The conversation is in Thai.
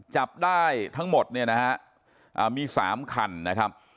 จับได้ทั้งหมดเนี่ยนะฮะมี๓คันนะครับ